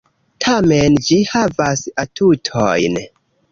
Tamen ĝi havas atutojn...